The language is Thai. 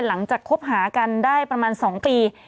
หลังจากคบหากันได้ประมาณ๒ปี